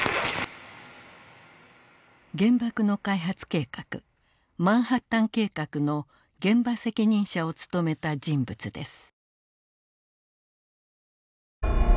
原爆の開発計画マンハッタン計画の現場責任者を務めた人物です。